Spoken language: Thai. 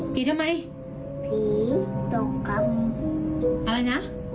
ผีผีทำไม